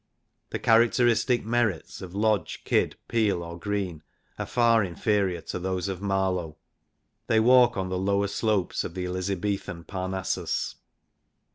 The characteristic merits of Lodge, Kyd, Peele or Greene are far inferior to those of Marlowe. They walk on the lower slopes of the Elizabethan Parnassus.